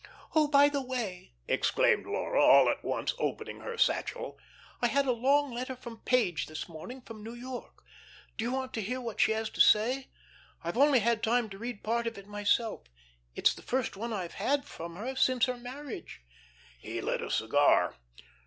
"Oh, by the way," exclaimed Laura, all at once opening her satchel. "I had a long letter from Page this morning, from New York. Do you want to hear what she has to say? I've only had time to read part of it myself. It's the first one I've had from her since their marriage." He lit a cigar.